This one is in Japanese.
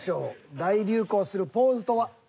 大流行するポーズとは？